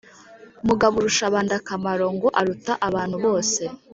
mugaburushabandakamaro ngo aruta abantu bose,